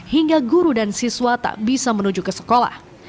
hingga guru dan siswa tak bisa menuju ke sekolah